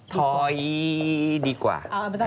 ถอยดีกว่า